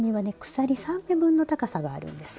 鎖３目分の高さがあるんです。